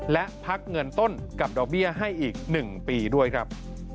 และพักเงินต้นกับดอกเบี้ยให้อีก๑ปีด้วยครับ